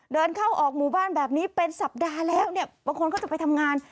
เดินเข้าออกหมู่บ้านแบบนี้เป็นสัปดาห์แล้วเนี่ยบางคนก็จะไปทำงาน